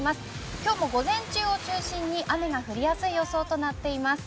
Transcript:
今日も午前中を中心に雨が降りやすい予想となっています。